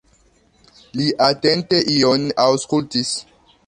Li atente ion aŭskultis.